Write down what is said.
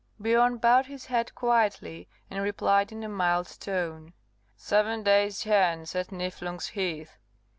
Biorn bowed his head quietly, and replied in a mild tone, "Seven days hence at Niflung's Heath."